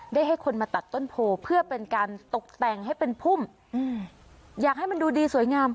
ให้คนมาตัดต้นโพเพื่อเป็นการตกแต่งให้เป็นพุ่มอยากให้มันดูดีสวยงาม